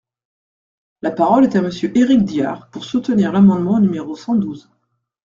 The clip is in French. La parole est à Monsieur Éric Diard, pour soutenir l’amendement numéro cent douze.